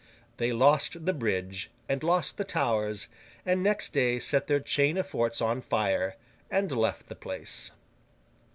They lost the bridge, and lost the towers, and next day set their chain of forts on fire, and left the place.